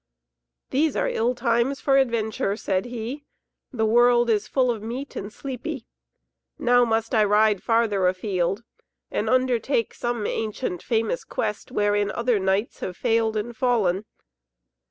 "These are ill times for adventure," said he, "the world is full of meat and sleepy. Now must I ride farther afield and undertake some ancient, famous quest wherein other knights have failed and fallen.